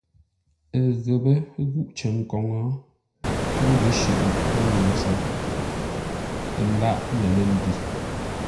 Ghəpə́ ghúʼ cər koŋə, ə́ ngʉ̌ shʉʼʉ lə́ ŋuu ntsəm, ə lâʼ lər lə̂ mbi.